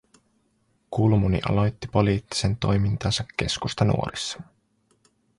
Kulmuni aloitti poliittisen toimintansa Keskustanuorissa